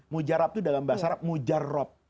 mujarab itu dalam bahasa arab mujarab